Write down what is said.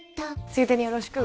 ついでによろしく！